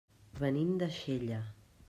Venim de Xella.